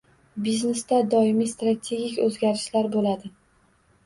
Biznesda doimiy strategik oʻzgarishlar boʻladi.